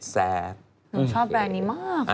หนูชอบแบรนด์นี้มาก